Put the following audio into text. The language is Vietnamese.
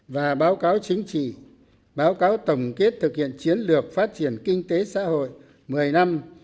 và báo cáo chính trị báo cáo tổng kết thực hiện chiến lược phát triển kinh tế xã hội một mươi năm